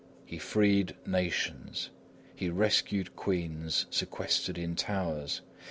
He freed nations. He rescued queens sequestered in towers.